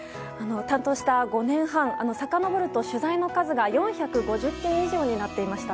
担当した５年半さかのぼると取材の数が４５０件以上になっていました。